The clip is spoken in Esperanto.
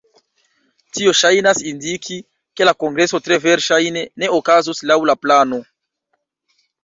Tio ŝajnas indiki, ke la kongreso tre verŝajne ne okazos laŭ la plano.